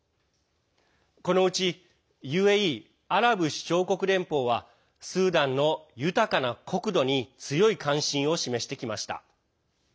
このうちＵＡＥ＝アラブ首長国連邦はスーダンの豊かな国土に強い関心を示してきました。